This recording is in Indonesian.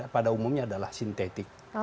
pada umumnya adalah sintetik